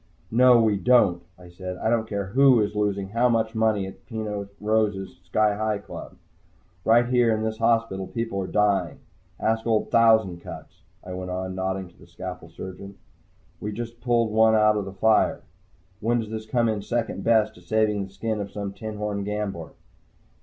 "No, we don't," I said. "I don't care who is losing how much money at Peno Rose's Sky Hi Club. Right here in this hospital people are dying. Ask old Thousand Cuts," I went on, nodding to the scalpel surgeon. "We just pulled one out of the fire. When does this come in second best to saving the skin of some tinhorn gambler?"